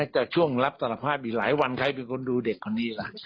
แต่ช่วงรับสารภาพอีกหลายวันใครเป็นคนดูเด็กคนนี้ล่ะ